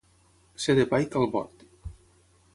Ser de pa i calbot.